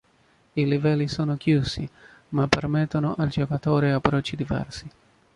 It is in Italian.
I livelli sono chiusi, ma permettono al giocatore approcci diversi.